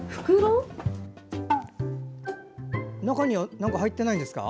中には何か入っていないんですか。